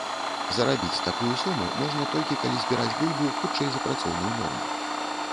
Зарабіць такую суму можна, толькі калі збіраць бульбу хутчэй за працоўную норму.